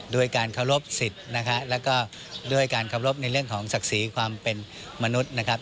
ด้วยการเคารพสิทธิ์นะฮะแล้วก็ด้วยการเคารพในเรื่องของศักดิ์ศรีความเป็นมนุษย์นะครับ